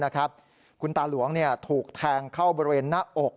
คุณตาหลวงถูกแทงเข้าบริเวณหน้าอก